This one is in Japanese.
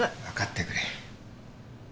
わかってくれ。